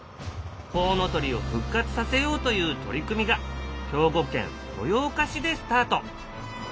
コウノトリを復活させようという取り組みが兵庫県豊岡市でスタート。